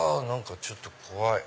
ちょっと怖い！